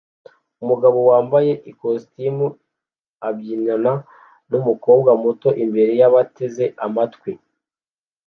Umugabo wambaye ikositimu abyinana numukobwa muto imbere yabateze amatwi